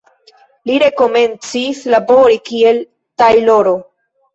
Li rekomencis labori kiel tajloro.